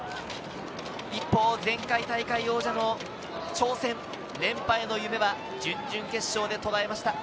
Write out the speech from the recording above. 一方、前回大会王者の挑戦、連覇への夢は準々決勝で途絶えました。